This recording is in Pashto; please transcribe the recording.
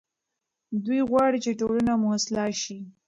دی غواړي چې ټولنه مو اصلاح شي.